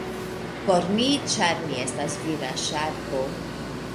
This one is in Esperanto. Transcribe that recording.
Por mi, ĉar mi estas vira ŝarko.